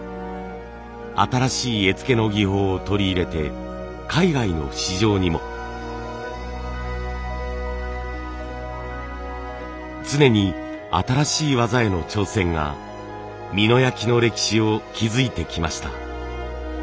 新しい絵付けの技法を取り入れて海外の市場にも。常に新しい技への挑戦が美濃焼の歴史を築いてきました。